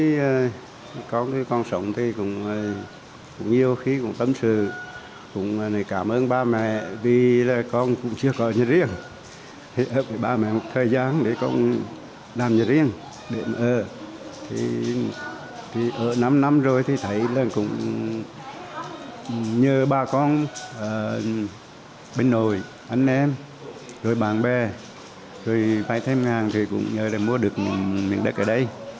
vì phải thêm ngang thì cũng nhờ để mua được miếng đất ở đây